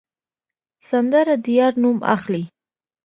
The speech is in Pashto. سندره د یار نوم اخلي